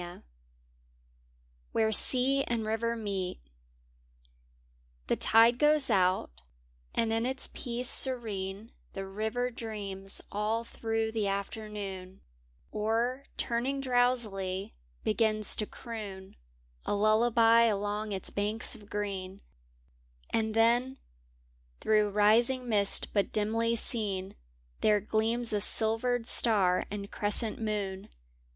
Where Sea anb IRiver nDeet HE tide goes out, and in its peace serene The river dreams all through the afternoon, Or, turning drowsily, begins to croon A lullaby along its banks of green; And then, through rising mist but dimly seen. There gleams a silvered star and crescent moon.